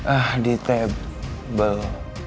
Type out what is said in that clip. ah di table